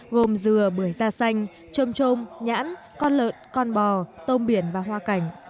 gồm dừa bưởi da xanh trôm trôm nhãn con lợn con bò tôm biển và hoa cảnh